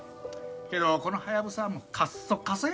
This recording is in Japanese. けどこのハヤブサはもう過っ疎過疎や。